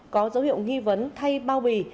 có dấu hiệu nghi vấn thay bao bì